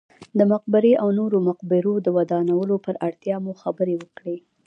د مقبرې او نورو مقبرو د ودانولو پر اړتیا مو خبرې وکړې.